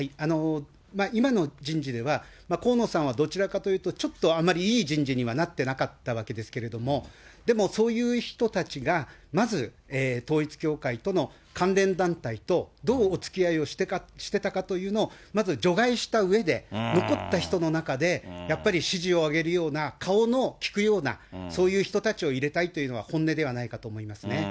今の人事では、河野さんはどちらかというと、ちょっとあまりいい人事にはなってなかったわけですけれども、でもそういう人たちがまず、統一教会との関連団体とどうおつきあいをしてたかっていうのをまず除外したうえで、残った人の中で、やっぱり支持を上げるような顔の利くような、そういう人たちを入れたいというのは本音ではないかと思いますね。